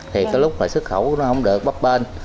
thì có lúc là xuất khẩu nó không được bấp bên